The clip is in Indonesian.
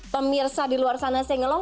pemirsa di luar sana sing along